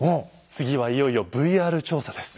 次はいよいよＶＲ調査です。